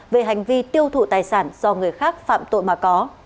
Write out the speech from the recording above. về hành vi tiêu thụ tài sản do người khác phạm tội mà có